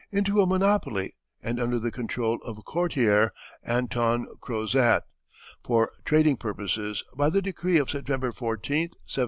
into a monopoly and under the control of a courtier, Anton Crozat, for trading purposes, by the decree of September 14, 1712.